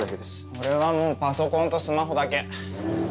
俺はパソコンとスマホだけ。